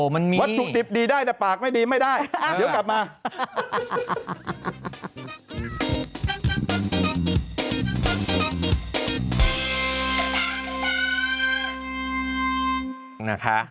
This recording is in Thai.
มันมีวัตถุดิบดีได้แต่ปากไม่ดีไม่ได้เดี๋ยวกลับมา